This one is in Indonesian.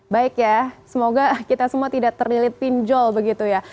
baik ya semoga kita semua tidak terlilit pinjol begitu ya